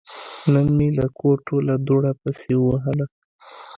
نن مې د کور ټوله دوړه پسې ووهله.